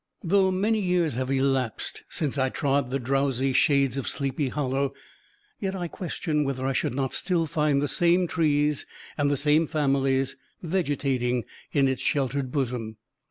Though many years have elapsed since I trod the drowsy shades of Sleepy Hollow, yet I question whether I should not still find the same trees and the same families vegetating in its sheltered bosom.